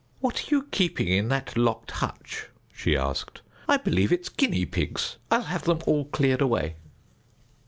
"What are you keeping in that locked hutch?" she asked. "I believe it's guinea pigs. I'll have them all cleared away."